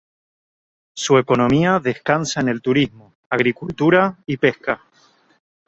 Su economía descansa en el turismo, agricultura y pesca.